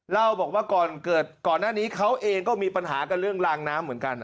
เล่าบอกว่าก่อนเกิดก่อนหน้านี้เขาเองก็มีปัญหากันเรื่องลางน้ำเหมือนกัน